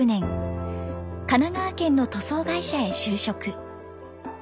神奈川県の塗装会社へ就職。